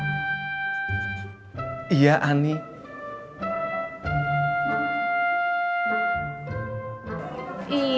gotta ga ada yang robek lagi